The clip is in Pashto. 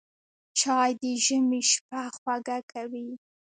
چای د ژمي شپه خوږه کوي